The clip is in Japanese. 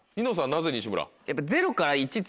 なぜ西村？